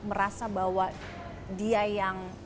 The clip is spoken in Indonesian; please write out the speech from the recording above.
merasa bahwa dia yang